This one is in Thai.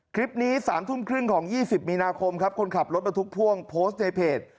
คลิปนี้๓ทุ่มครึ่งของ๒๐มีนาคมครับคนขับรถบรรทุกพ่วงโพสต์ในเพจ